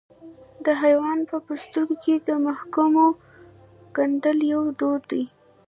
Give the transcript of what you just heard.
د حیوان په پوستکي کې د محکوم ګنډل یو دود و.